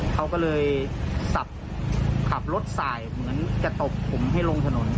เขาก็เลยสับขับรถสายเหมือนจะตบผมให้ลงถนน